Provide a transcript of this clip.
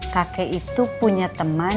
kakek itu punya teman